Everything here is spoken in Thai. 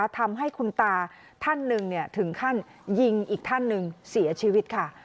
ทำให้คุณตาท่านหนึ่งถึงขั้นยิงอีกท่านหนึ่งเสียชีวิตค่ะ